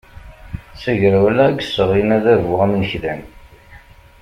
D tagrawla i yesseɣlin adabu amnekdan.